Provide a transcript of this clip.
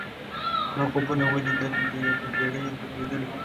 ما خوبونه وه لیدلي د بېړۍ د ډوبېدلو